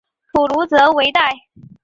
普卢泽韦代。